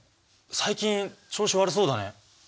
最近調子悪そうだね。